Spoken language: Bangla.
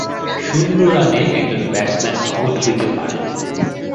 শূন্য রানে একজন ব্যাটসম্যান আউট হতে পারেন।